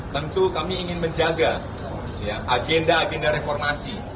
tentu kami ingin menjaga agenda agenda reformasi